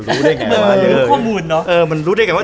เคยข้อมูลรู้ได้ไงมาเยอะ